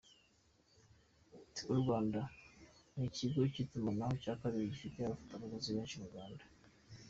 Tigo Rwanda ni ikigo cy’itumanaho cya kabiri gifite abafatabuguzi benshi mu Rwanda.